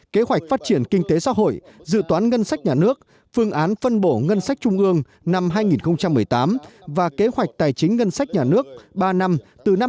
kế hoạch phát triển kinh tế xã hội dự toán ngân sách nhà nước phương án phân bổ ngân sách trung ương năm hai nghìn một mươi tám và kế hoạch tài chính ngân sách nhà nước ba năm từ năm hai nghìn một mươi tám đến năm hai nghìn hai mươi